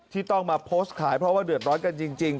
ที่ต้องมาโพสต์ขายเพราะว่าเดือดร้อนกันจริง